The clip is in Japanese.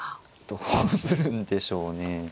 どうするんでしょうね。